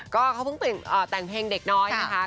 ก็เขาเพิ่งแต่งเพลงเด็กน้อยนะคะ